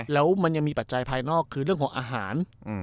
แล้วมันยังมีปัจจัยภายนอกคือเรื่องของอาหาร